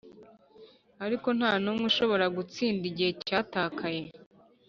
ariko ntanumwe ushobora gutsinda igihe cyatakaye.